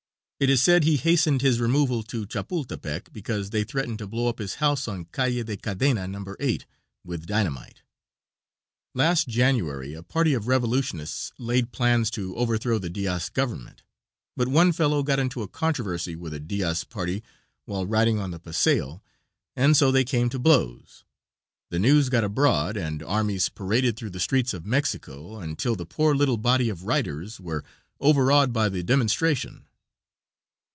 It is said he hastened his removal to Chapultepec because they threatened to blow up his house on Calle de Cadena, No. 8, with dynamite. Last January a party of Revolutionists laid plans to overthrow the Diaz Government, but one fellow got into a controversy with a Diaz party while riding on the Paseo, and so they came to blows, the news got abroad and armies paraded through the streets of Mexico until the poor little body of "righters" were overawed by the demonstration.